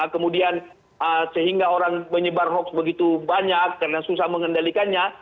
kemudian sehingga orang menyebar hoax begitu banyak karena susah mengendalikannya